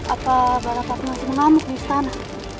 apa balap aku masih mengamuk di istana